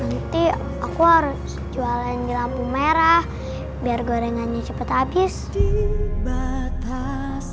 nanti aku harus jualan di lampu merah biar gorengannya cepet abis